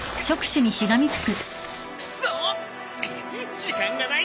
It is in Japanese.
時間がないんだ。